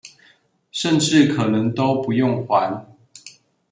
甚至可能都不用還